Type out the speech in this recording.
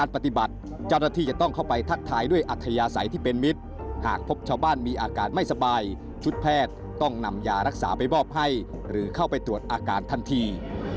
ปฏิบัติเจ้าหน้าที่จะต้องเข้าไปทักทายด้วยอัธยาศัยที่เป็นมิตรหากพบชาวบ้านมีอาการไม่สบายชุดแพทย์ต้องนำยารักษาไปมอบให้หรือเข้าไปตรวจอาการทันที